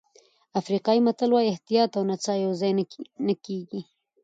افریقایي متل وایي احتیاط او نڅا یوځای نه کېږي.